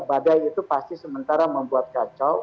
badai itu pasti sementara membuat kacau